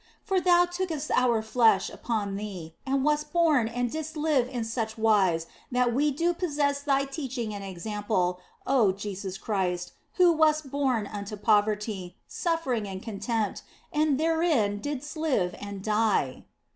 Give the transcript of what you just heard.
For Thou tookest our flesh upon Thee and wast born and didst live in such wise that we do possess Thy teaching and example, oh Jesus Christ, who wast born unto poverty, suffering and contempt, and therein didst live and die.